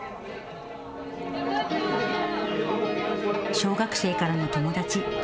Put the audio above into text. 小学生からの友達。